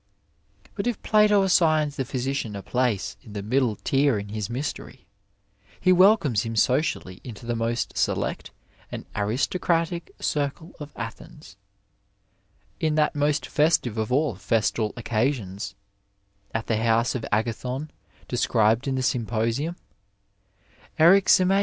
^ But if Plato assigns the physician a place in the middle tier in his mystery, he welcomes him socially into the most select and aristocratic circle of Athens. In that most festive of all festal occasions, at the house of Agathon, described in the SymfoHuniy Eryximachus, a physician * Dialogues, v. 240. * Ibid. iii. 96. > IWd.